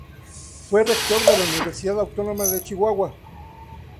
Fue rector de la Universidad Autónoma de Chihuahua.